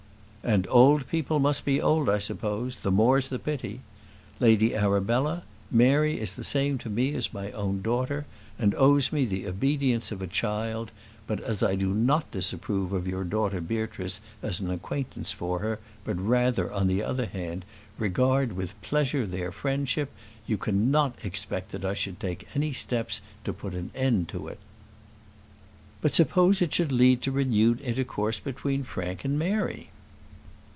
"And old people must be old, I suppose; the more's the pity. Lady Arabella, Mary is the same to me as my own daughter, and owes me the obedience of a child; but as I do not disapprove of your daughter Beatrice as an acquaintance for her, but rather, on the other hand, regard with pleasure their friendship, you cannot expect that I should take any steps to put an end to it." "But suppose it should lead to renewed intercourse between Frank and Mary?"